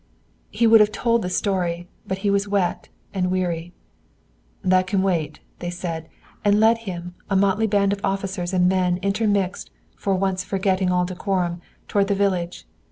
He would have told the story, but he was wet and weary. "That can wait," they said, and led him, a motley band of officers and men intermixed, for once forgetting all decorum, toward the village.